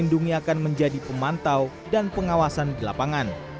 lindungi akan menjadi pemantau dan pengawasan di lapangan